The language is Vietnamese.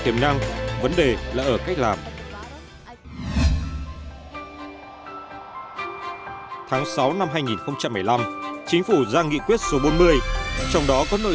tiềm năng vấn đề là ở cách làm tháng sáu năm hai nghìn một mươi năm chính phủ ra nghị quyết số bốn mươi trong đó có nội